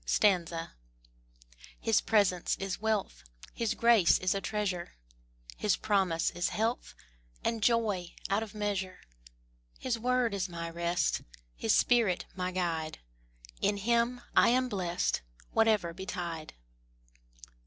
His presence is wealth, His grace is a treasure, His promise is health And joy out of measure. His word is my rest, His spirit my guide: In Him I am blest Whatever betide.